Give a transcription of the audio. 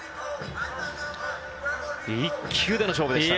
１球での勝負でしたね。